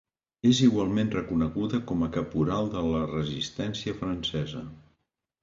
És igualment reconeguda com a caporal de la Resistència francesa.